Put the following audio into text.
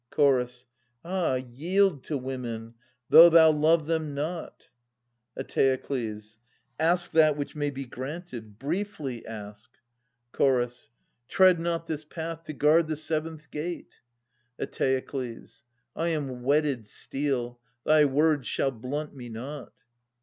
Chorus. Ah, yield to women, though thou love them not ! Eteokles. Ask that which may be granted : briefly ask. THE SEVEN A GAINST THEBES. 33 Chorus. Tread not this path to guard the seventh gate. Eteokles. I am whetted steel : thy words shall blunt me not.